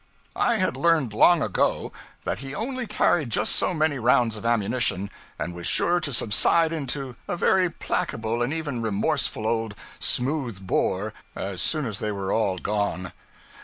I had learned long ago that he only carried just so many rounds of ammunition, and was sure to subside into a very placable and even remorseful old smooth bore as soon as they were all gone.